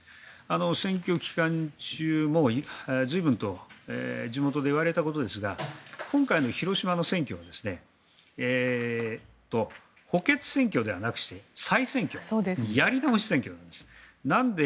選挙期間中も随分と地元で言われたことですが今回の広島の選挙は補欠選挙ではなくして再選挙やり直し選挙なんです。